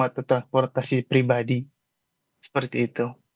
atau transportasi pribadi seperti itu